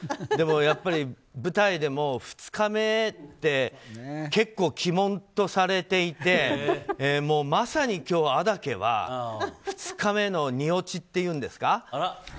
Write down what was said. でもやっぱり舞台でも２日目って結構鬼門とされていてまさに今日、安宅は２日目の二落ちっていうんですか。